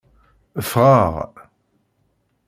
Ffɣeɣ.